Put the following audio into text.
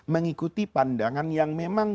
mengikuti pandangan yang memang